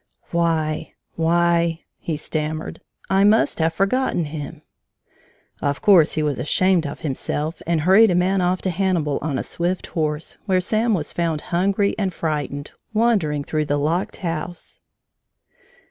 "Why why " he stammered, "I must have forgotten him." Of course he was ashamed of himself and hurried a man off to Hannibal, on a swift horse, where Sam was found hungry and frightened, wandering through the locked house.